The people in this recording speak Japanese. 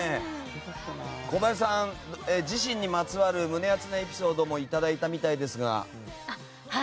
小林さん、自身にまつわる胸アツなエピソードもいただいたみたいですが。